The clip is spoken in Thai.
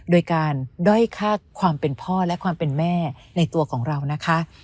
โดยการด้อยค่าความเป็นพ่อและความเป็นแม่ในตัวของเรานะคะ